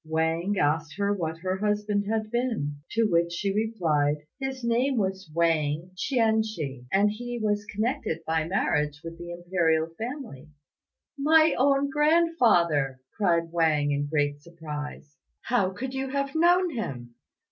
Wang asked what her husband had been; to which she replied, "His name was Wang Chien chih, and he was connected by marriage with the Imperial family." "My own grandfather!" cried Wang, in great surprise; "how could you have known him?"